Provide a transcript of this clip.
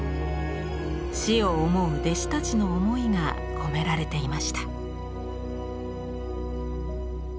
師を思う弟子たちの思いが込められていました。